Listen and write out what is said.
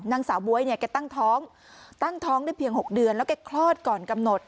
นางสาวบ๊วยเนี่ยแกตั้งท้องตั้งท้องได้เพียง๖เดือนแล้วแกคลอดก่อนกำหนด